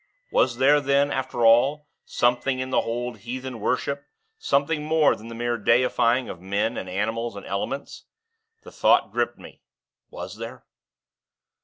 Was there then, after all, something in the old heathen worship, something more than the mere deifying of men, animals, and elements? The thought gripped me was there?